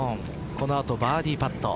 この後バーディーパット。